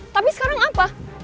tapi sekarang apa